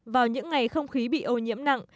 vào những ngày không khí bị ô nhiễm nặng